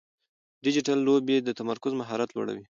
ډیجیټل لوبې د تمرکز مهارت لوړوي.